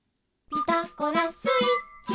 「ピタゴラスイッチ」